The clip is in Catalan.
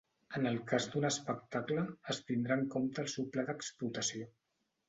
En el cas d'un espectacle, es tindrà en compte el seu pla d'explotació.